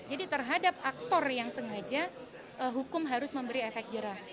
jadi terhadap aktor yang sengaja hukum harus memberi efek jerah